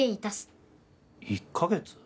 １カ月？